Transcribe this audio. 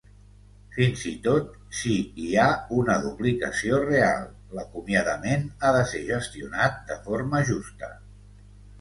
Fins-i-tot si hi ha una duplicació real, l"acomiadament ha de ser gestionat de forma justa.